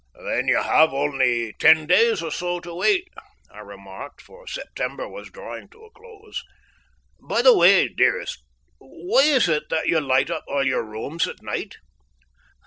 "Then you have only ten days or so to wait," I remarked, for September was drawing to a close. "By the way, dearest, why is it that you light up all your rooms at night?"